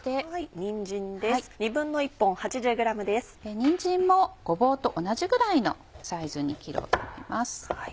にんじんもごぼうと同じぐらいのサイズに切ろうと思います。